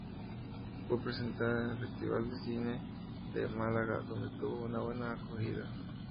Fue presentada en el Festival de Cine de Málaga, donde tuvo una buena acogida.